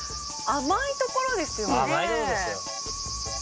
甘いとこですよ。